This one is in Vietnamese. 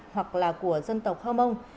hoặc là của dân tộc hơ mông